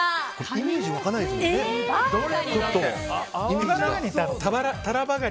イメージ沸かないですね。